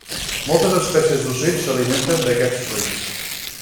Moltes espècies d'ocells s'alimenten d'aquests fruits.